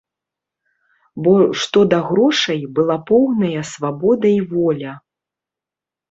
Бо, што да грошай, была поўная свабода і воля.